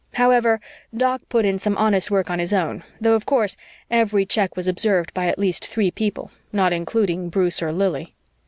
However, Doc put in some honest work on his own, though, of course, every check was observed by at least three people, not including Bruce or Lili.